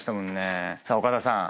さあ岡田さん。